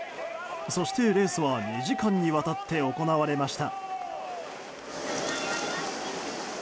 そして、レースは２時間にわたって行われました。